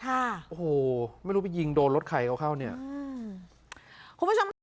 โอ้โหไม่รู้ว่าไปยิงโดนรถไข่เขาเข้าเนี้ยคุณผู้ชม